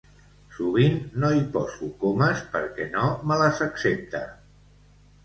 Sovint no hi poso comes perquè no me les accepta.